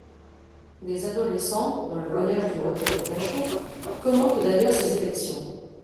Des adolescents dans le voyage du retour de Dachau commentent d'ailleurs ces élections.